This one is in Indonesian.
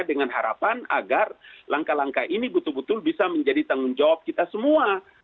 dengan harapan agar langkah langkah ini betul betul bisa menjadi tanggung jawab kita semua